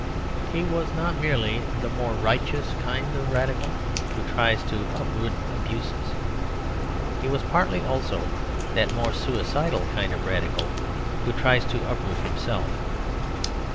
He was not merely the more righteous kind of Radical who tries to uproot abuses; he was partly also that more suicidal kind of Radical who tries to uproot himself.